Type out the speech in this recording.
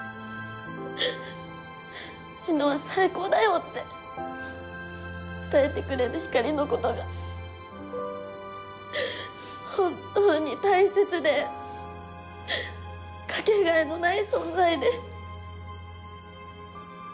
「志乃は最高だよ！」って伝えてくれるひかりのことが本当に大切でかけがえのない存在です。